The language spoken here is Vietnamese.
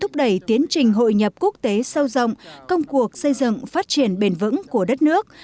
đẩy tiến trình hội nhập quốc tế sâu rộng công cuộc xây dựng phát triển bền vững của đất nước